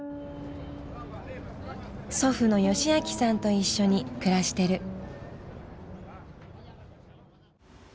祖父のヨシアキさんと一緒に暮らしてる。